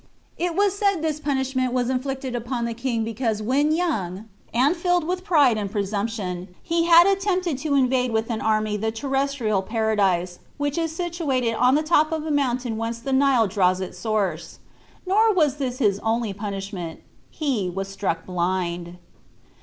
It was said this punishment was inflicted upon the king because when young, and filled with pride and presumption, he had attempted to invade with an army the terrestrial paradise, which is situated on the top of a mountain whence the Nile draws its source. Nor was this his only punishment. He was struck blind.